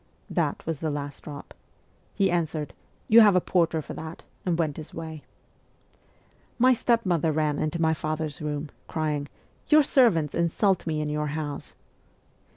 That was the last drop. He answered, ' You have a porter for that/ and went his way. My stepmother ran into father's room, crying, ' Your servants insult me in your house